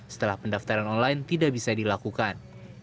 setelah pendaftaran online tidak bisa dilakukan